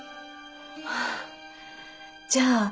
はあじゃあ